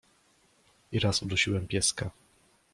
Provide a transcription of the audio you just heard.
i raz udusiłem pieska.